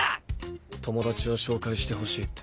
友達を紹介してほしいって。